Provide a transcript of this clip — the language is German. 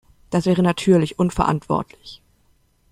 Das wäre natürlich unverantwortlich.